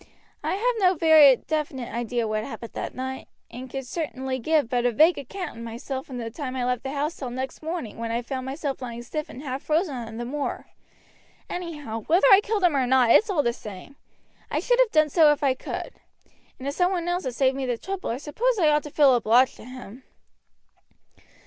I have no very definite idea what happened that night, and certainly could give but a vague account of myself from the time I left the house till next morning, when I found myself lying stiff and half frozen on the moor. Anyhow, whether I killed him or not it's all the same. I should have done so if I could. And if some one else has saved me the trouble I suppose I ought to feel obliged to him."